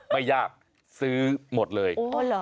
ไม่ยากซื้อหมดเลย